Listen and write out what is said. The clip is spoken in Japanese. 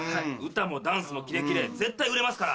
歌もダンスもキレキレ絶対売れますから。